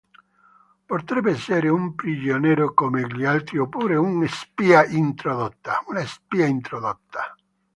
Potrebbe essere un prigioniero come gli altri oppure una spia introdotta?